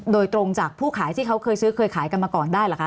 โดยตรงจากผู้ขายที่เขาเคยซื้อเคยขายกันมาก่อนได้หรือคะ